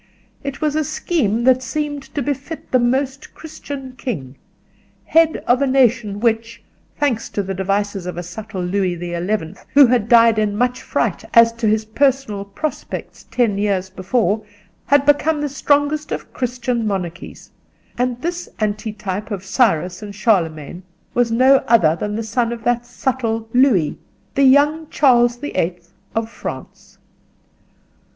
It was a scheme that seemed to befit the Most Christian King, head of a nation which, thanks to the devices of a subtle Louis the Eleventh who had died in much fright as to his personal prospects ten years before, had become the strongest of Christian monarchies; and this antitype of Cyrus and Charlemagne was no other than the son of that subtle Louis—the young Charles the Eighth of France.